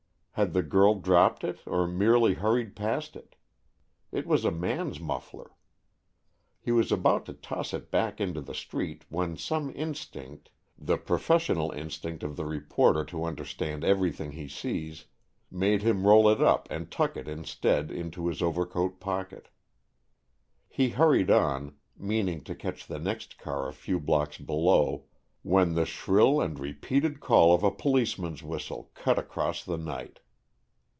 Had the girl dropped it or merely hurried past it? It was a man's muffler. He was about to toss it back into the street when some instinct the professional instinct of the reporter to understand everything he sees made him roll it up and tuck it instead into his overcoat pocket. He hurried on, meaning to catch the next car a few blocks below, when the shrill and repeated call of a policeman's whistle cut across the night.